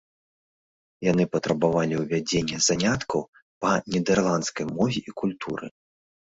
Яны патрабавалі ўвядзення заняткаў па нідэрландскай мове і культуры.